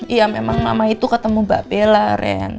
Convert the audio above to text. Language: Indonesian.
iya memang mama itu ketemu mbak bella ren